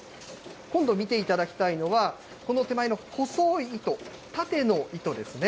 今度見ていただきたいのは、この手前の細ーい糸、縦の糸ですね。